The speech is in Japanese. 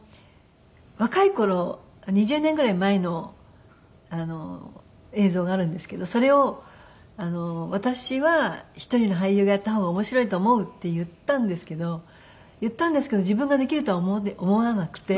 若い頃２０年ぐらい前の映像があるんですけどそれを私は「１人の俳優がやった方が面白いと思う」って言ったんですけど言ったんですけど自分ができるとは思わなくて。